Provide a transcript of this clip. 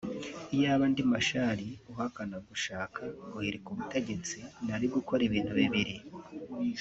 iyaba ndi Machar uhakana gushaka guhirika ubutegetsi nari gukora ibintu bibiri